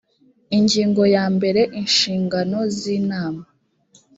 ingingo ya mbere inshingano z’inama